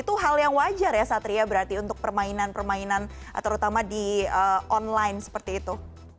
itu hal yang wajar ya satria berarti untuk permainan permainan terutama di online seperti itu